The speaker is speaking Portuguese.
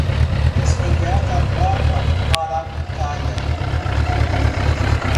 Descoberta nova maracutaia